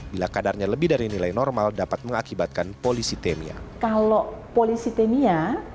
bila kadarnya lebih dari nilai normal dapat mengatasi penyakit